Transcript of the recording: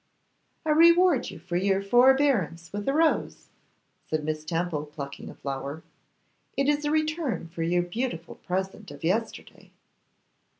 'I reward you for your forbearance with a rose,' said Miss Temple, plucking a flower. 'It is a return for your beautiful present of yesterday.